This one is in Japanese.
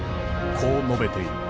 こう述べている。